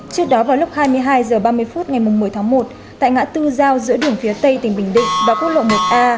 trước đó vào lúc hai mươi hai h ba mươi phút ngày một mươi tháng một tại ngã tư giao giữa đường phía tây tỉnh bình định và quốc lộ một a